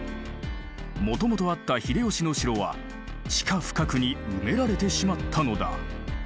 もともとあった秀吉の城は地下深くに埋められてしまったのだ。